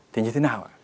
thì như thế nào ạ